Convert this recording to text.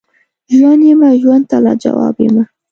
ژوند یمه وژوند ته لاجواب یمه